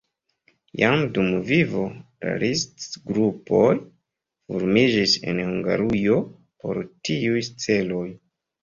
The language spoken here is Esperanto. Jam dum vivo de Liszt grupoj formiĝis en Hungarujo por tiuj celoj.